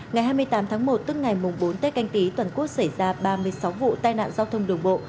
ngày hai mươi tám tháng một tức ngày bốn tết canh tí toàn quốc xảy ra ba mươi sáu vụ tai nạn giao thông đường bộ